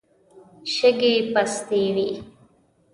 شګې پستې وې.